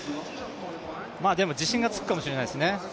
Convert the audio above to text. でも、自信がつくかもしれないですね